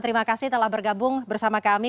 terima kasih telah bergabung bersama kami